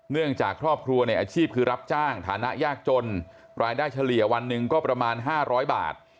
เนื่องจากครอบครัวในอาชีพคือรับจ้างฐานะยากจนรายได้เฉลี่ยวันหนึ่งก็ประมาณ๕๐๐บาท